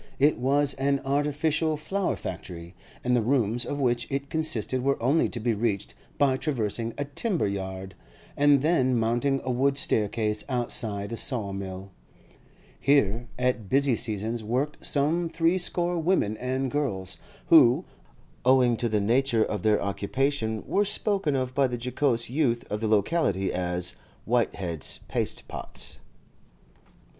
It was an artificial flower factory, and the rooms of which it consisted were only to be reached by traversing a timber yard, and then mounting a wooden staircase outside a saw mill. Here at busy seasons worked some threescore women and girls, who, owing to the nature of their occupation, were spoken of by the jocose youth of the locality as 'Whitehead's pastepots.